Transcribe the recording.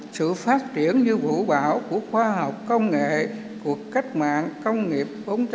sự phát triển như vũ bảo của khoa học công nghệ cuộc cách mạng công nghiệp bốn